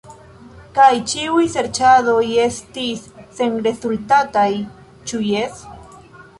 Kaj ĉiuj serĉadoj estis senrezultataj; ĉu jes?